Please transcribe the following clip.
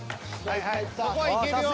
そこはいけるよ。